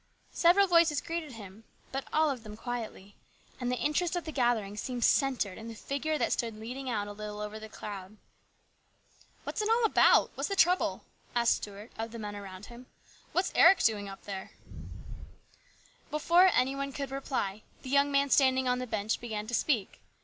Several voices greeted him, but all of them quietly ; and the interest of the gathering seemed centred in the figure that stood leaning out a little over the crowd. "What's it all about? What's the trouble?" asked Stuart of the men around him. " What's Eric doing up there ?" 12 HIS BROTHER'S KEEPER. Before any one could reply, the young man stand ing on the bench began to speak.